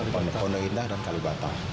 pondok indah dan kalibata